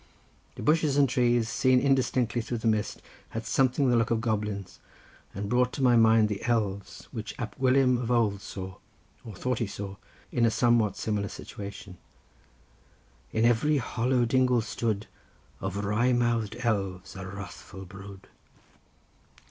The bushes and trees, seen indistinctly through the mist, had something the look of goblins, and brought to my mind the elves, which Ab Gwilym of old saw, or thought he saw, in a somewhat similar situation:— "In every hollow dingle stood Of wry mouth'd elves a wrathful brood."